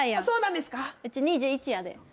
そうなんですか⁉うち２１やで。